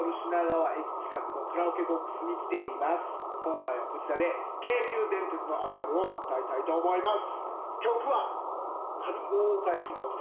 僕は今今回はこちらで京急電鉄のあるあるを歌いたいと思います。